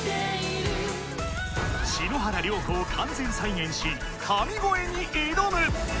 篠原涼子を完全再現し神声に挑む！